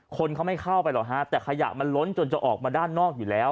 คนเขาไม่เข้าไปหรอกฮะแต่ขยะมันล้นจนจะออกมาด้านนอกอยู่แล้ว